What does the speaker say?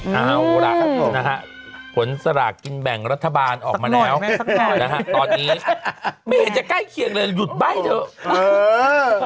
เอาล่ะนะฮะผลสลากกินแบ่งรัฐบาลออกมาแล้วนะฮะตอนนี้ไม่เห็นจะใกล้เคียงเลยหยุดใบ้เถอะ